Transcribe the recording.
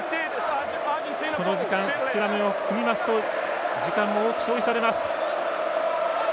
この時間、スクラムを組みますと時間も多く消費されます。